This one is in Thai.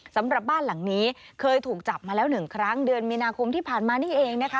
สำหรับบ้านหลังนี้เคยถูกจับมาแล้วหนึ่งครั้งเดือนมีนาคมที่ผ่านมานี่เองนะคะ